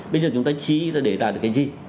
bây giờ chúng ta chi là để đạt được cái gì